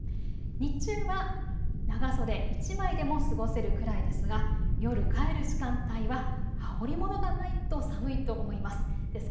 日中は、長袖１枚でも過ごせるくらいですが夜帰る時間帯は羽織りものがないと寒いと思います。